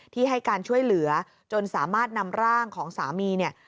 ที่ให้การช่วยเหลือจนสามารถนำร่างของสามีเนี่ย